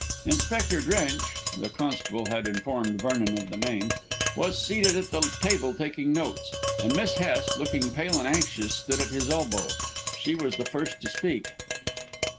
Inspector Drench the constable had informed Vernon of the name was seated at the table taking notes, and Miss Hest, looking pale and anxious, stood at his elbow. She was the first to speak.